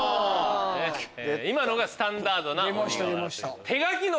今のがスタンダードな「鬼瓦」。